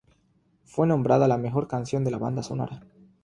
Fue nombrada la mejor canción de la banda sonora.